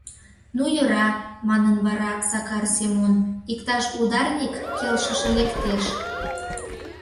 — Ну йӧра, — манын вара Сакар Семон, — иктаж ударник келшыше лектеш...